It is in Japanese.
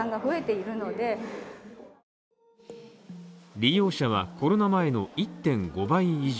利用者はコロナ前の１．５倍以上。